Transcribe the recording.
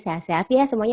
sehat sehat ya semuanya